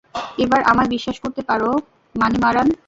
এবার আমায় বিশ্বাস করতে পারো, মানিমারান।